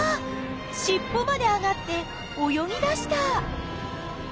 しっぽまで上がって泳ぎだした！